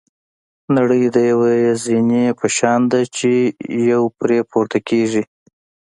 نړۍ د یوې زینې په شان ده چې یو پرې پورته کېږي.